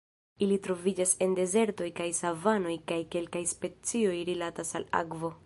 Ili troviĝas en dezertoj kaj savanoj kaj kelkaj specioj rilatas al akvo.